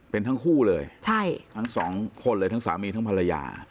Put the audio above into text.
เป็นทั้งคู่เลยใช่ทั้งสองคนเลยทั้งสามีทั้งภรรยา